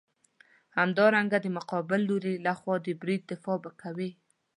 همدارنګه د مقابل لوري لخوا د برید دفاع به کوې.